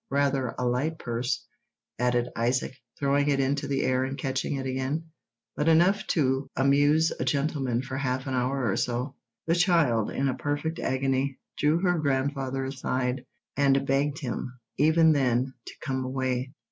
Rather a light purse," added Isaac, throwing it into the air and catching it again, "but enough to amuse a gentleman for half an hour or so." The child, in a perfect agony, drew her grandfather aside, and begged him, even then, to come away.